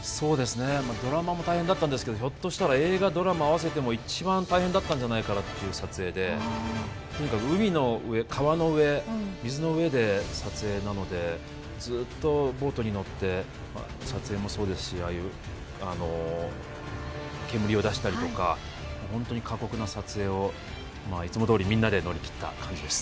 ドラマも大変だったんですけど、ひょっとしたら映画、ドラマ合わせても一番大変だったんじゃないかという撮影でとにかく海の上、川の上、水の上で撮影なので、ずっとボートに乗って、撮影もそうですし、ああいう煙を出したりとか本当に過酷な撮影をいつもどおり、みんなで乗り切った感じです。